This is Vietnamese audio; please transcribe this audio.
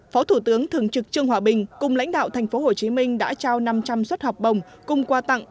phó thủ tướng thường trực trương hòa bình cùng lãnh đạo tp hcm đã trao năm trăm linh suất học bồng cùng qua tặng